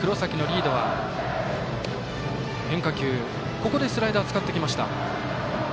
ここでスライダー使ってきました。